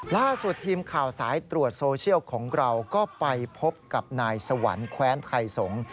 ล่าสุดทีมข่าวสายตรวจโซเชียลของเราก็ไปพบกับนายสวรรค์แคว้นไทยสงศ์